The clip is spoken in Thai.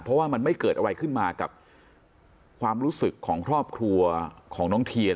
เพราะว่ามันไม่เกิดอะไรขึ้นมากับความรู้สึกของครอบครัวของน้องเทียน